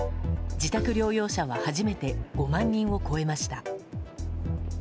自宅療養者は初めて５万人を超えました。